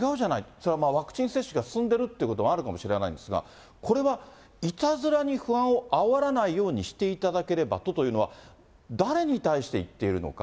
それはまあ、ワクチン接種が進んでるっていうこともあるかもしれないんですが、これは、いたずらに不安をあおらないようにしていただければとというのは、誰に対して言っているのか。